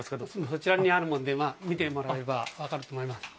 そちらにあるので見てもらえば分かると思います。